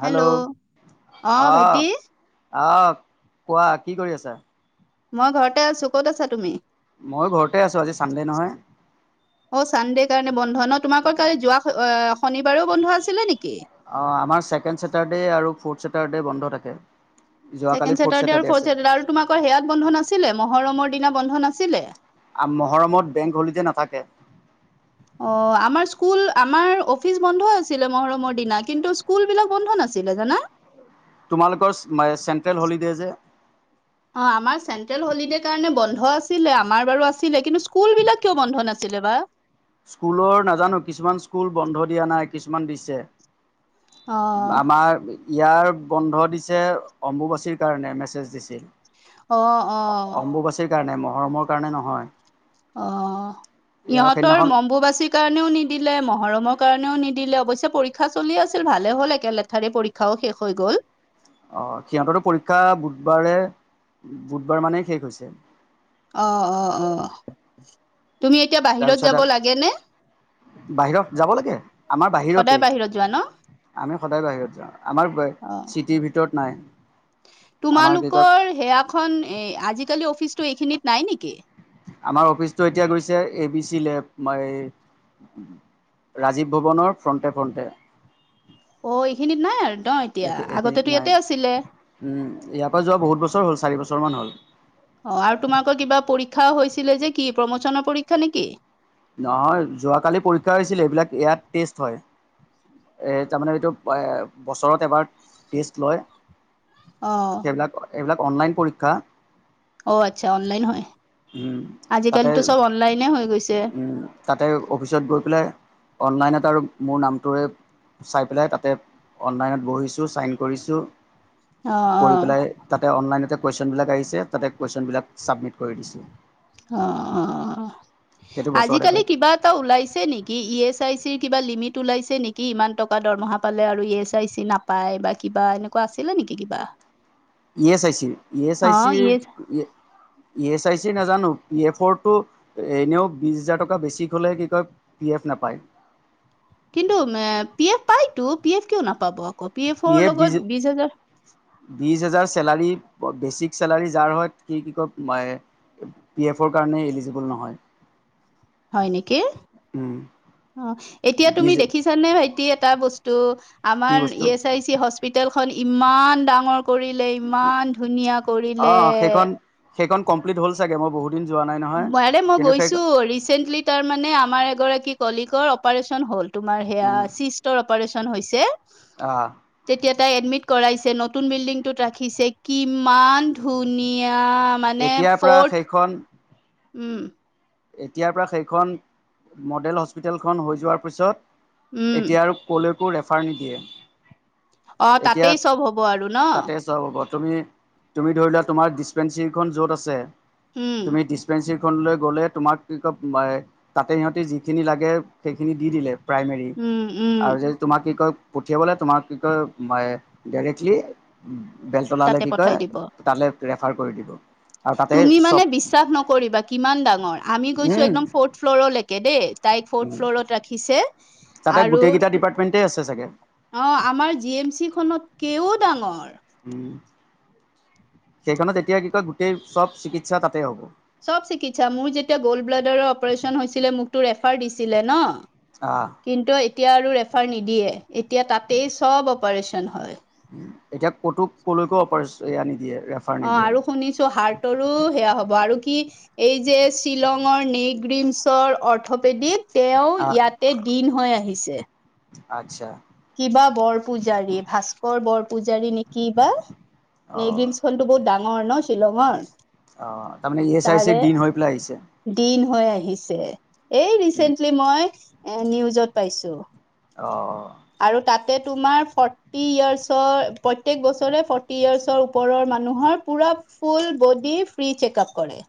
Hello. অ'। অঁহ কোৱা কি কৰি আছা? মই ঘৰতে আছোঁ। ক'ত আছা তুমি? মই ঘৰতে আছোঁ আজি চানডে নহয়। অ চানডে কাৰণে বন্ধ। ন তোমালোকৰ কালি যোৱা শনিবাৰো বন্ধ আছিলে নেকি? অঁ আমাৰ ছেকেণ্ড ছেটাৰডে আৰু ফ'ৰ্থ চেটাৰ্ডে বন্ধ থাকে। যোৱাকালি ছেকেণ্ড চেটাৰ্ডে আৰু ছেটাৰডে ফ'ৰ্থ আছে চেটাৰ্ডে। আৰু তোমালোকৰ সেয়াত বন্ধ নাছিলে মহৰমৰ দিনা বন্ধ নাছিলে? আ মহৰমত বেংক হলি দে নাথাকে। অ আমাৰ স্কুল আমাৰ অফিচ বন্ধ আছিলে মহৰমৰ দিনা কিন্তু স্কুল বিলাক বন্ধ না ছিলে জানা। তোমালোকৰ চেন্ট্ৰেল হলিদে যে অঁ আমাৰ চেন্ট্ৰেল হলিডে কাৰণে বন্ধ বন্ধ আছিলে। আমাৰ বাৰু আছিলে কিন্তু স্কুল বিলাক কিয় বন্ধ নাছিলে বা? স্কুলৰ নাজানো কিছুমান স্কুল বন্ধ দিয়া নাই কিছুমান দিছে। অ আমাৰ ইয়াৰ বন্ধ দিছে অম্বুবাচীৰ কাৰণে মেছেজ দিছিল। অঁ অঁহ মহৰম কাৰণে নহয়। অঁ ইয়াৰ ইহঁতৰ সেইদিনাখন অম্বুবাচীৰ কাৰণেও নিদিলে মহৰমক কাৰণেও নিদিলে। অৱশ্যে পৰীক্ষা চলি আছিল ভালে হ'ল একে লেঠাৰিয়ে পৰীক্ষাও শেষ হৈ গ'ল। অঁ সিহঁতৰো পৰীক্ষা বুধবাৰে বুধবাৰ মানে শেষ হৈছে। অঁ অঁ অঁ তুমি এতিয়া বাহিৰত তাৰপিছত যাব লাগে নে? বাহিৰত যাব লাগে আমাৰ সদায় বাহিৰতেই বাহিৰত যোৱা ন? আমি সদায় বাহিৰত যাওঁ আমাৰ অ চিটিৰ ভিতৰত নাই। আমাৰ কি কয় তোমালোকৰ সেয়াখন আজিকালি অফিচটো এইখিনিত নাই নেকি? আমাৰ অফিচটো এতিয়া গৈছে এ বি চি লেপ আমাৰ এই ৰাজীৱ ভৱনৰ ফ্ৰণ্টে ফ্ৰণ্টে। অ এইখিনিত নাই আৰু ন এতিয়া এইখিনিত আগতেতো নাই ইয়াতে আছিলে। উম, ইয়াৰ পৰা যোৱা বহুত বছৰ হ'ল চাৰি বছৰ মান হ'ল। অ আৰু তোমালোকৰ কিবা পৰীক্ষাও হৈছিলে যে কি প্ৰমোচনৰ পৰীক্ষা নেকি? নহয় যোৱাকালি পৰীক্ষা হৈছিলে এইবিলাক ইয়াত টেষ্ট হয়। এ তামানে এইটো এ বছৰত এবাৰ টেষ্ট লয়। অ সেইবিলাক এইবিলাক অনলাইন পৰীক্ষা। অ আচ্ছা অনলাইন হয়। উম তাতে আজিকালিতো চব অনলাইনে হৈ গৈছে। উম তাতে অফিচত গৈ পেলাই অনলাইনত আৰু মোৰ নামটোৱে চাই পেলাই তাতে অনলাইনত বহিছোঁ চাইন কৰিছোঁ। অ কৰি পেলাই তাতে অনলাইনতে কুয়েচন বিলাক আহিছে তাতে কুয়েচন বিলাক চাবমিট কৰি দিছোঁ। অ সেইটো বছৰতে আজিকালি পাই কিবা এটা ওলাইছে নেকি? ই এছ আই চি কিবা লিমিট ওলাইছে নেকি? ইমান টকা দৰমহা পালে আৰু ই এছ আই চি নাপায় বা কিবা এনেকুৱা আছিলে নেকি? নেকি কিবা। ই এছ আই চিৰ ই এছ অ আই ই চিৰ এছ ইয়ে ই এছ চাই চিৰ নেজানো। পি এফৰ টো এনেও বিশ হাজাৰ টকা বেছি হ'লে কি কয় পি এফ নাপায়। কিন্তু এ পি এফ পাইতো পি এফ কিয় নাপাব আকৌ। পি এফৰ এফ লগত বিশ হাজাৰ বিশ হেজাৰ চেলাৰী বেচিক চেলাৰী যাৰ হয় সি কি কয় পি এফৰ কাৰণে এলিজিবুল নহয়। হয় নেকি? উম। অ এতিয়া তুমি বীজ দেখিছা নে ভাইটি এটা বস্তু কি আমাৰ ই বস্তু এছ আই চি হস্পিতেল খন ইমান ডাঙৰ কৰিলে, ইমান ধুনীয়া কৰিলে। অঁ সেইখন সেইখন কমপ্লিট হ'ল চাগে মই বহুত দিন যোৱা নাই নহয় ম মই কিন্তু সেই গৈছো। ৰিচেন্টলি তাৰ মে আমাৰ এগৰাকী কলিগৰ অপাৰচন হ'ল। তোমাৰ সেয়া উম চিষ্টৰ অপাৰেচন হৈছে। আহ। এ এডমিট কৰাইছে, নতুন বিল্ডিংটোত ৰাখিছে, কিমান ধুনীয়া। অ' মানে এতিয়াৰ পৰা ফৰ্ট সেইখন উম। এতিয়াৰ পৰা সেইখন মডেল হস্পিটেলখন হৈ যোৱাৰ পিছত উম এতিয়া আৰু ক'লৈকো ৰেফাৰ নিদিয়ে। অ এতিয়া তাতেই চব হ'ব আৰু ন তাতে চব হব। তুমি, তুমি ধৰি লোৱা তোমাৰ ডিচপেঞ্চৰী খন য'ত আছে, উম তুমি ডিচপেঞ্চৰী খনৈ গ'লে, তোমাক কি কয়, তাতে সিহঁতি যিখিনি লাগে সেইখিনি দি দিলে প্ৰাইমেৰী উম উম আৰু য তোমাক কি কয় পঠিয়াবলে তোমাক কি কয় ম ডাইৰেক্টলি। বেলতলালৈ তাতে কি কয় পঠাই দিব তালৈ ৰেফাৰ কৰি দিব। আৰু তাতে তুমি মানে চব বিশ্বাস নকৰিবা কিমান ডাঙৰ। আমি গৈছো উম একদম ফৰ্থ ফ্ল'ৰলৈকে দেই, তাইক ফৰ্থ উম ফ্ল'ৰত ৰাখিছে। তাতে আৰু গোটেইকেইটা ত ডিপাৰ্টমেণ্টে আছে চাগে। অ আমাৰ জি এম চি খনত কেও ডাঙৰ। উম সেইখনত এতিয়া কি কয়, গোটেই চব চিকিৎসা তাতে হ'ব। চব চিকিৎসা মোৰ যেতিয়া গ'ল্ড ব্লাডাৰৰ অপাৰেচন হৈছিলে মোক তো ৰেফাৰ দিছিলে ন। আহ কিন্তু এতিয়া আৰু ৰেফাৰ নিদিয়ে এতিয়া তাতেই চব অপাৰেচন হয়। এতিয়া ক'তো কলৈকে অপাৰেচন আনি দিয়ে। অ'আৰু শুনিছো হাৰ্টৰো সেয়া হব আৰু কি এই যে শ্বিলঙৰ নগিমছৰ অৰ্থপেডিক তেওঁ আহ ইয়াতে দিন হৈ আহিছে। আচ্ছা। কিবা বৰ পূজাৰী, ভাস্কৰ বৰ পূজাৰী নেকি বা। অ নগ্ৰীনছ হলটো বহুত ডাঙৰ ন শ্বিলঙৰ। অ'তাৰমানে ই এছ আই তাৰে চিৰ দিন হৈ পেলাই আহিছে। দিন হৈ আহিছে। এই ৰিচেন্টলি মই এ নিউজত পাইছো। অ আৰু তাত তে তোমাৰ ফৰ্টি ইয়াৰ্চৰ প্ৰতেক বছৰে ফৰ্টি ইয়াৰ্চৰ ওপৰৰ মানুহৰ পুৰা full body free check up কৰে।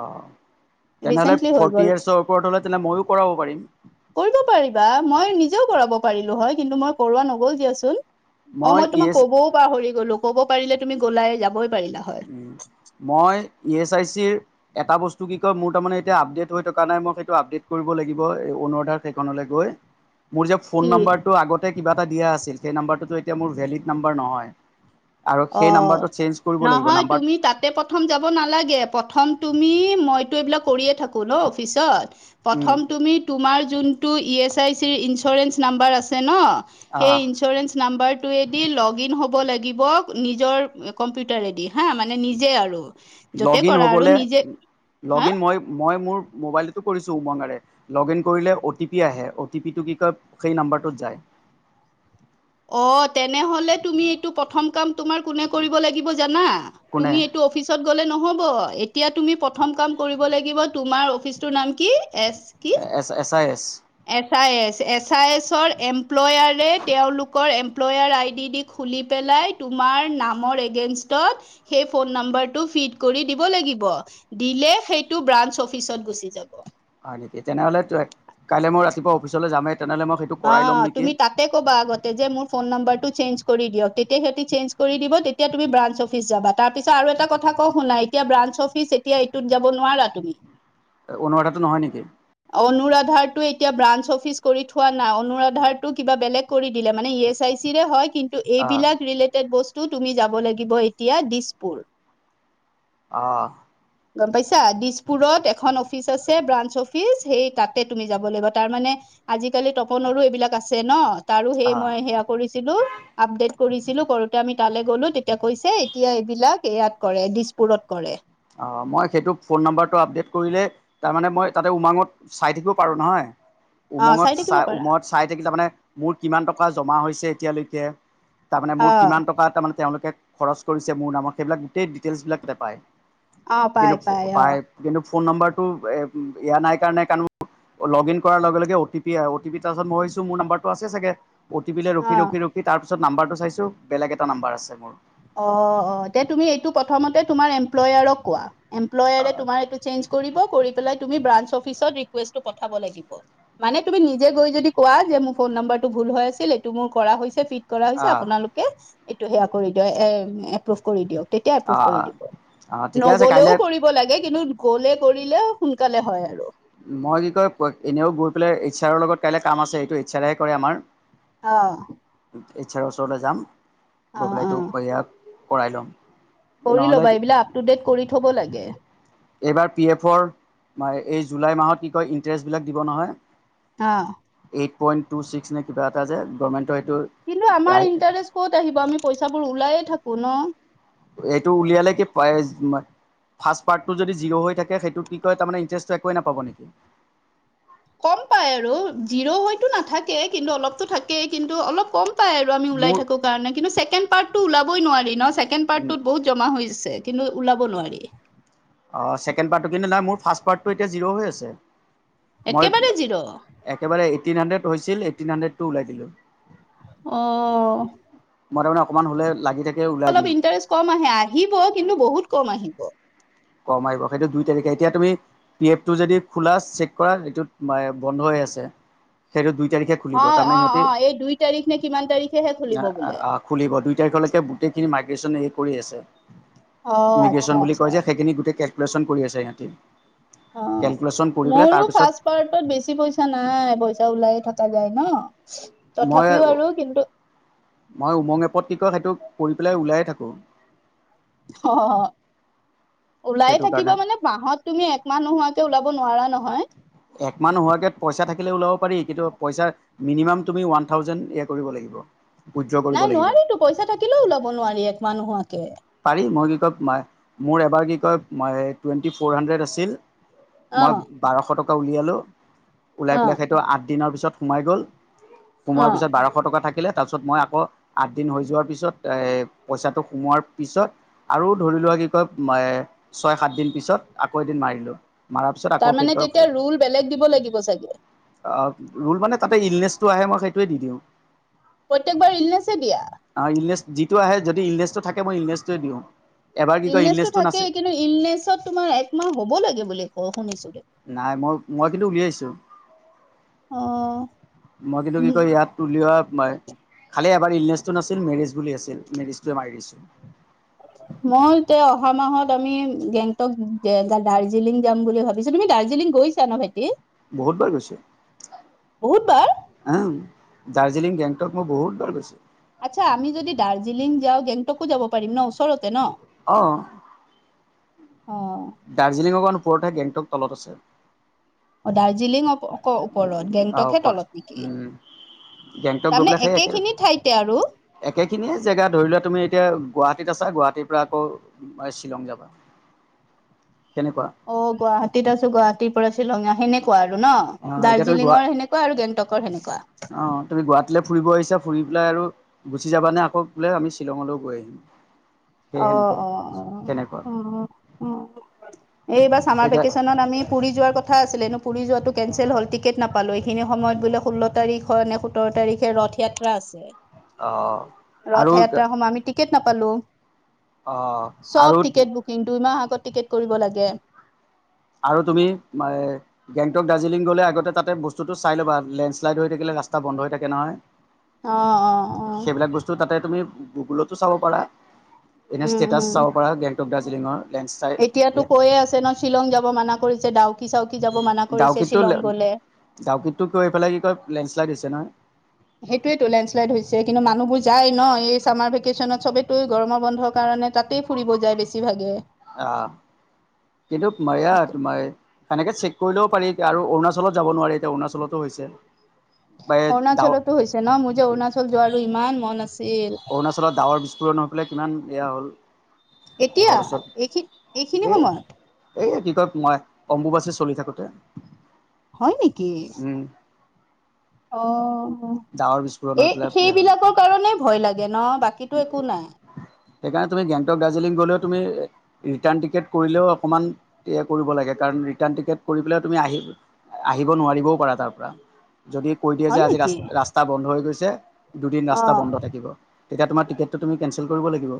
অ'তেনেহ'লে ৰিচেন্টলি হৈ ফৰ্টি গ'ল ইয়াৰ্চৰ ওপৰত হলে তেনেহলে ময়ো কৰাব পাৰিম। কৰিব মই নিজেও কৰাব পাৰিলো হয়, কিন্তু মই কৰোৱা নগল দিয়াচোন। অ' মই ই তোমাক এছ ক'বও পাহৰি গলো। কব পাৰিলে তুমি গ'লাই যাবই পাৰিলা হয় উম, মই ই এছ আই চি এটা বস্তু কি কয় মোৰ তাৰে এতিয়া আপডে হৈ থকা নাই মই সেইটো আপডে কৰিব লাগিব [unintelligible] খনলে গৈ। মোৰ যে ফোন কি নাম্বাৰটো আগতে কিবা এটা দিয়া আছিল সেই নাম্বাৰটো তু ভেলীদ নাম্বাৰ নহয়। আৰু সেই নম্বটো চেঞ্জ কৰিব লাগিব। হয় নাম্বাৰ তুমি তাতে প্ৰথম যাব নালাগে প্ৰথম তুমি মইতু এইবিলাক কৰিয়ে থাকো ন অফিচত, উম, প্ৰথম তুমি তোমাৰ যোন টো ই এচ আই চিৰ ইঞ্চুৰেঞ্চ নাম্বৰ আছে ন সেই আহ ইন্সুৰেন্স নাম্বাৰটোয়ে দি লগিন হব লাগিব। নিজৰ কম্পিউটাৰেদি হা মানে নিজে আৰু য'তে লগ ইন কৰা আৰু হ'বলে নিজে লগ হা ইন মই মোৰ মোবাইলটো কৰিছো উবাংৰে লগিন কৰিলে অতিপি আহে, অতিপি কি কয় সেই নাম্বাৰটোত যাই [inaudible] অ তেনেহলে তুমি এইটো প্ৰথম কাম তোমাৰ কোনে কৰিব লাগিব জানা? কোনে তুমি এইটো অফিচত গলে নহব এতিয়া তুমি প্ৰথম কাম কৰিব লাগিব তোমাৰ অফিচটোৰ নাম কি? এচ কি? S S I S S I S S I এছৰ এমপ্লয়াৰে তেওঁলোকৰ এম্প্লয়াৰ আই ডি দি খুলি পেলাই তোমাৰ নামৰ এগেইনষ্টত সেই ফোন নম্বৰটো দিব লাগিব, দিলে সেইটো ব্ৰাঞ্চ অফিচত গুচি যাব। হয় নেকি? তেনেহলে কাইলে মই ৰাতিপুৱা অফিচলে যামেই। তেনেহ'লে মই সেইটো অ কৰাই ল'ম নেকি তুমি তাতে কবা আগতে যে মোৰ ফোন নম্বৰটো চেঞ্জ কৰি দিয়ক তেতিয়া সিহঁতি চেঞজ কৰি দিব তেতিয়া তুমি ব্ৰাঞ্চ অফিচ যাবা। তাৰ পিছত আৰু এটা কথা কওঁ শুনাই এতিয়া ব্ৰাঞ্চ অফিচ এতিয়া এইটোত যাব নোৱাৰা তুমি। অনুৰাধাটো নহয় নেকি? অনুৰাধাটো এতিয়া ব্ৰাঞ্চ অফিচ কৰি থোৱা নাই, অনুৰাধাৰটো কিবা বেলেগ কৰি দিলে। মানে ই এছ আই চিৰে হয় কিন্তু অঁ এইবিলাক ৰিলেটেড বস্তু টো তুমি যাব লাগিব এতিয়া দিছপুৰ। আহ। গম পাইছা? দিছপুৰত এখন অফিচ আছে ব্ৰাঞ্চ অফিচ সেই তাতে তুমি যাব লাগিব। তাৰ মানে আজিকালি তপনৰো এইবিলাক আছে ন? তাৰো সেই অঁ মই সেয়া কৰিছিলো আপডেট কৰিছিলো কৰোতে আমি তালৈ গ'লো তেতিয়া কৈছে এতিয়া এইবিলাক ইয়াত কৰে দিছপুৰত কৰে। অ মই সেইটো ফোন নম্বটো আপডেট কৰিলে, তাৰমানানে মই তাতে উমাঙত চাই থাকিব পাৰো নহয়। অ উমঙত থাকিব চাই পাৰা উমঙত চাই থাকিলে তাৰ মানে মোৰ কিমান টকা জমা হৈছে এতিয়ালৈকে তাৰ মানে অ মোৰ কিমান টকা তাৰ মানে তেওঁলোকে খৰচ কৰিছে মোৰ নামত। সেইবিলাক গোটেই ডিটেইলছবিলাক তাতে পায়। অ পাই কিন্তু অ পাই কিন্তু ফোন নম্বাৰটো এয়া নাই কাৰণে কাৰণ মোৰ লগ ইন কৰাৰ লগে অ টি পি আহে, অ টি পি তাৰ পাছত মই ভাবিছো মোৰ নাম্বৰটো আছে চাগে? অ'টি পিলে ৰখি অ ৰখি ৰখি তাৰপিছত নাম্বাৰটো চাইছোঁ বেলেগ এটা নাম্বাৰ আছে মোৰ। অ অ এতিয়া তুমি এইটো প্ৰথমতে তোমাৰ এমপ্লয়াৰক কোৱা। এমপ্লয়াৰে আহ তোমাৰ এইটো চেঞ্জ কৰিব, কৰি কৰি পেলাই তুমি ব্ৰাঞ্চ অফিচত ৰিকোষ্টটো পথাব লাগিব, মানে তুমি নিজে গৈ যদি কোৱা মোৰ ফোন নম্বৰ টো ভুল হৈ আছিল এইটো মোৰ কৰা হৈছে পি কৰা হৈছে আপোনালোকে এইটো সেয়া কৰি দিয় এ এপ্ৰুভ কৰি দিয়ক। তেতিয়া এপ্ৰুভ কৰি আহ দিব। আহ ঠিকে আছে নগলেও কাইলৈ কৰিব লাগে কিন্তু গ'লে কৰিলে সোনকালে হয় আৰু। মই কি কয় এনেও গৈ পেলাই এইচ্ছাৰ লগত কাইলে কাম আছে এইটো এইচ্ছাৰেহে কৰে আমাৰ। অ। এইচ আৰৰ ওচৰলে যাম অ গৈ অ পেলাইটো বাহয়া কৰাই ল'ম। কৰি নহ'লে ল'বা এইবিলাক আপ টু ডেট কৰি থব লাগে। এইবাৰ পি এফৰ এই জুলাই মাহত কি কয় ইণ্টাৰেষ্ট বিলাক দিব নহয়। হ। এইট পইণ্ট টু ছিক্ নে কিবা এটা যে গভমেণ্ট কিন্তু আমাৰ ইণ্টাৰেষ্ট ক'ত আহিব, আমি পইচাবোৰ ওলাই হে থাকোঁ ন। এইটো উলিয়ালে কি পায় জিমান। ফাষ্ট পাৰ্ট যদি জিৰ' হৈ থাকে সেইটোত কি কয় তাৰ মানে ইণ্টৰেষ্টটো একোয়েই নাপাব নেকি। কম পাই আৰু জিৰ' হয়তো নাথাকে। কিন্তু অলপতো থাকেই কিন্তু অলপ কম। পাই আৰু আমি ওলাই মোৰ থাকোঁ কাৰণে। কিন্তু ছেকেণ্ড পাৰ্ট ওলাবই নোৱাৰি ন ছেকেণ্ড পাৰ্টতো বহুত জমা হৈছে। কিন্তু ওলাব নোৱাৰি। অ ছেকেণ্ড পাৰ্টটো কিন্তু নাই মোৰ ফাৰ্ষ্ট পাৰ্টটো এতিয়া জিৰ' হৈ আছে। মই একেবাৰে জিৰ' অ একেবাৰে এইটিন হাড্ৰেড হৈছিল এইটিন হুন্দ্ৰেদটো ওলাই দিলোঁ। অহ। মই তাৰমানে অকমান হ'লে লাগি থাকে ওলাই অলপ দিওঁ ইণ্টাৰেষ্ট কম আহে আহিব কিন্তু বহুত কম আহিব। কম আহিব। সেইটো দুই তাৰিখে। এতিয়া তুমি পি এফ টো যদি খোলা, চেক কৰা এইটোত বন্ধ হৈ আছে সেইটো দুই দুই তাৰিখে খুলিব অ তাৰ মানে অ সিহঁতি অ এই দুই তাৰিখ নে কিমান তাৰিখেহে খুলিব বোলে আ খুলিব দুই তাৰিখৰ লৈকে গোটেই খিনি মাধ্য পিছন হেৰি কৰি আছে। অহ, আচ্ছা ইমিগ্ৰেশ্যন বুলি আচ্ছা। কয় যে সেইখিনি গোটেই কেলকোলেচন কৰি আছে সিহঁতি। অ কেলকুলেশ্যন কৰি পেলাই মোৰো তাৰপিছত ফাৰ্ষ্ট পাৰ্টত বেছি পইচা নাই। পইচা ওলাইয়ে থকা যায় ন। মই তথাপিওঁ আৰু কিন্তু মই উমং এপত কি কয় সেইটো কৰি পেলাই ওলাই থাকোঁ। অ ওলাই সেইটো থাকিব কাৰণে মানে মাহত তুমি একমাহ নোহোৱাকে ওলাব নোৱাৰা নহয়। এক মাহ নোহোৱাকে পইচা থাকিলে ওলাব পাৰি। কিন্তু পইচা মিনিমাম তুমি ওৱান থাউজেণ্ড এ কৰিব লাগিব। উইড্ৰ কৰিব নাই লাগিব নোৱাৰিটো। পইচা থাকিলেও ওলাব নোৱাৰি এক মাহ নোহোৱাকে। পাৰি মই কি কয় মোৰ এবাৰ কি কয় তোমাৰ টুৱেন্টি ফৰ হানড্ৰেড আছিল অ মই বাৰশ টকা উলিয়ালোঁ। ওলাই অ পেলাই সেইটো আঠ দিনৰ পিছত সোমাই গ'ল। অ সোমোৱাৰ পিছত বাৰশ টকা থাক থাকিলে তাৰপিছত মই আকৌ আঠ দিন হৈ যোৱাৰ পিছত এ পইচাটো সোমোৱাৰ পিছত আৰু ধৰি লোৱা কি কয় ছয়, সাতদিন পিছত আকৌ এদিন মাৰিলোঁ। মাৰা পিছত আকৌ তাৰমানে কেইটা তেতিয়া উঠে ৰুল বেলেগ দিব লাগিব চাগে অ ৰোল মানে তাতে ইলনেচটো আহে। মই সেইটোৱেই দি দিওঁ। প্ৰত্যেকবাৰ ইলনেছে দিয়া? ইলনেছ যিটো আহে যদি ইলনেচটো থাকে, মই ইলনেচটোৱে দিওঁ। এবাৰ কি কয় ইলনেছটো নাছিল থাকেই। কিন্তু ইলনেছত তোমাৰ একমাহ হ'ব লাগে বুলি কয় শুনিছোঁ। নাই, মই মই কিন্তু উলিয়াইছোঁ। অ মই কিন্তু কি কয় ইয়াত উলিওৱাত বাই খালি এবাৰ ইলনেচটো নাছিল। মেৰিজ বুলি আছিল, মেৰিজটোৱে মাৰি দিছোঁ। মই এতিয়া অহা মাহত আমি গেংটক, দাৰ্জিলিং যাম বুলি ভাবিছোঁ। তুমি দাৰ্জিলিং গৈছা ন ভাইটি? বহুত বাৰ গৈছোঁ। বহুত বাৰ হ দাৰ্জিলিং, গেং তাত মই বহুত বাৰ গৈছোঁ। আচ্ছা আমি যদি দাৰ্জিলিং যাওঁ, গেংটকো যাব পাৰিম ন? ওচৰতে ন? অ', অ। দাৰ্জিলিং অকমান ওপৰতে গেংটক তলত আছে। অ দাৰ্জিলিং আকৌ ওপৰত অ', গেংটক হে ওপৰত তলত নেকি? উম, গেংটক গৈ তাৰমানে পেলাই সেই একে, একেখিনি ঠাইতে আৰু অ একেখিনিয়ে জেগা ধৰি লোৱা তুমি এতিয়া গুৱাহাটী গুৱাহাটীত আছা। গুৱাহাটীৰ পৰা আকৌ শ্বিলং যাবা। তেনেকুৱা অ গুৱাহাটীত আছোঁ, গুৱাহাটীত পৰা শ্বিলঙীয়া সেনেকুৱা আৰু ন? অ', এতিয়া তুমি গুৱা দাৰ্জিলিঙৰ সেনেকুৱা আৰু গেংটকৰ সেনেকুৱা। অ', তুমি গুৱাহাটীলৈ ফুৰিব আহিছা, ফুৰি পেলাই আৰু গুচি যাবা নে, আকৌ বোলে আমি শ্বিলঙলৈও গৈ আহিম। সেই অঁ সেনেকুৱা অঁ অঁ তেনেকুৱা। অঁ অঁ এইবাৰ ছামাৰ এতিয়া ভেকেশ্যনত আমি পুৰি যোৱাৰ কথা আছিলে। এনেও পুৰি যোৱাটো কেনঞ্চেল হ'ল টিকেট নাপালো। এইখিনি সময়ত বোলে ষোল্ল তাৰিখৰ নে সোতৰ তাৰিখে ৰথ য়াত্ৰা আছে। অ', আৰু ৰথয়াত্ৰা সমহ আমি টিকেট নাপালো। অ', চব আৰু টিকেট বুকিং। দুইমাহ আগত টিকেট কৰিব লাগে। আৰু তুমি গেংটক, দাৰ্জিলিং গ'লে আগতে তাতে বস্তুটো চাই ল'বা। লেণ্ডশ্লাইড হৈ থাকিলে ৰাস্তা বন্ধ হৈ থাকে নহয়। অ অ অ সেইবিলাক বস্তু তাতে তুমি গুগুলতো চাব পাৰা। এনে উম ষ্টেটাচ উম চাব পাৰা গেংটক, দাৰ্জিলিঙৰ। লেণ্ডশ্লাইড এতিয়াতো কৈয়ে আছে ন শ্বিলং যাব মানা কৰিছে ডাও কি চাউকি যাব মানা কৰিছে ডাউকিতটো শ্বিলং গলে। ডাউকিতটো গৈ পেলাই কি কয় লেণ্ডশ্লাইড হৈছে নহয় সেইটোৱেটো লেণ্ডলাইন হৈছে কিন্তু মানুহবোৰ যায় ন এই ছামাৰ ভেকেশ্যনত সবেতোৱ গৰমৰ বন্ধৰ কাৰণে তাতেই ফুৰিব যায় বেছিভাগে আহ কিন্তু মাৰয়া তোমাৰ সেনেকে চ কৰিলেও পাৰি আৰু অৰুণাচলত যাব নোৱাৰি এতিয়া অৰুণাচলতো হৈছে বা ডাৱ অৰুণাচলতো হৈছে ন মোৰ যে অৰুণাচল যোৱাৰো ইমান মন আছে অৰুণাচলত ডাৱৰ বিস্ফোৰণ হৈ পেলাই কিমান এয়া হ'ল এতিয়া ঘৰ চৰ এইখিন এইখিনি এই সময়ত এই কি কয় মই অম্বু বাছে চলি থাকোতে হয় নেকি উম অঁ ডাৱৰ বিস্ফোৰণ হৈ এই পেলাই সেইবিলাকৰ কাৰণে ভয় লাগে ন বাকীতো একো নাই সেইকাৰণে তুমি গেংটক দাৰ্জিলিং গ'লেও তুমি ৰিটাৰ্ণ টিকেট কৰিলেও অকণমান এয়া কৰিব লাগে কাৰণ ৰিটাৰ্ণ টিকেট কৰি পেলাই তুমি আহিব নোৱাৰিবও পাৰা তাৰ পৰা যদি কৈ দিয়ে যে হয় আজি ৰা নেকি ৰাস্তা বন্ধ হৈ গৈছে দুদিন ৰাস্তা অ বন্ধ থাকিব তেতিয়া তোমাৰ টিকেটো তুমি কেনঞ্চেল কৰিব লাগিব